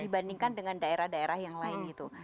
dibandingkan dengan daerah daerah yang lain itu